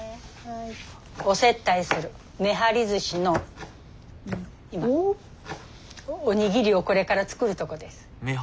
お接待するめはりずしの今おにぎりをこれから作るとこです。